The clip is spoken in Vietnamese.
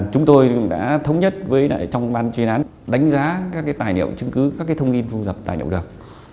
chúng tôi đã thống nhất với trong ban chuyên án đánh giá các tài liệu chứng cứ các thông tin thu dập tài liệu được